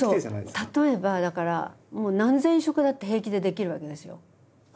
例えばだから何千色だって平気でできるわけですよ。